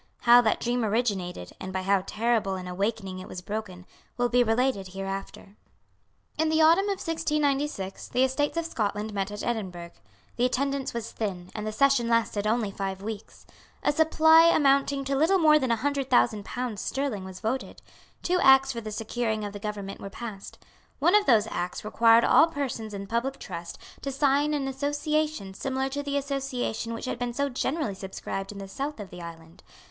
How that dream originated, and by how terrible an awakening it was broken, will be related hereafter. In the autumn of 1696 the Estates of Scotland met at Edinburgh. The attendance was thin; and the session lasted only five weeks. A supply amounting to little more than a hundred thousand pounds sterling was voted. Two Acts for the securing of the government were passed. One of those Acts required all persons in public trust to sign an Association similar to the Association which had been so generally subscribed in the south of the island.